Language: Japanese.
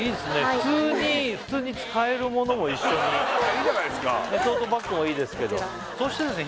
普通に普通に使えるものも一緒にいいじゃないすかトートバッグもいいですけどそしてですね